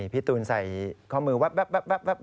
พี่ตูนใส่ข้อมือแว๊บ